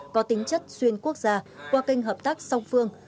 có tính chất xuyên quốc gia qua kênh hợp tác song phương